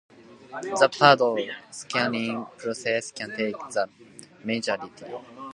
The Paddle scanning process can take the majority of a video frame to complete.